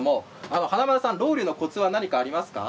華丸さん、ロウリュのコツは何かありますか？